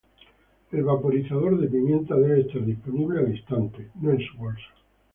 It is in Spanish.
El vaporizador de pimienta debe estar disponible al instante, no en su bolso.